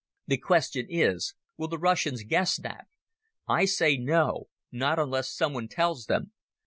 The question is: Will the Russians guess that? I say no, not unless someone tells them.